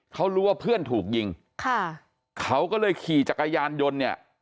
เขารู้ว่าเพื่อนถูกยิงค่ะเขาก็เลยขี่จักรยานยนต์เนี่ย